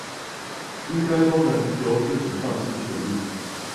應該都能由自己放棄權力